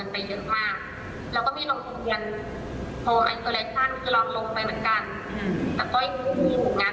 เพราะว่าทุกคนเขาก็ยิ่งมีภูมิไอซอเลชั่นกัน